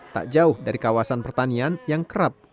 tak jauh dari kawasan pertanian yang kerap